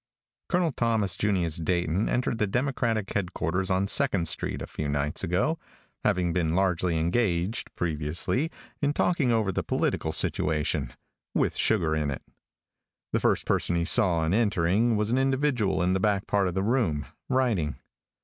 |COLONEL THOMAS JUNIUS DAYTON entered the democratic headquarters on Second street, a few nights ago, having been largely engaged, previously, in talking over the political situation, with sugar in it. The first person he saw on entering, was an individual in the back part of the room, writing.